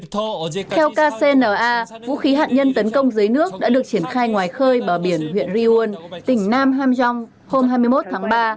theo kcna vũ khí hạt nhân tấn công dưới nước đã được triển khai ngoài khơi bờ biển huyện riun tỉnh nam ham jong hôm hai mươi một tháng ba